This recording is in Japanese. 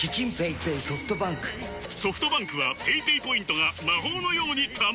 ソフトバンクはペイペイポイントが魔法のように貯まる！